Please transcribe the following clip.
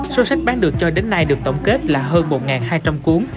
số sách bán được cho đến nay được tổng kết là hơn một hai trăm linh cuốn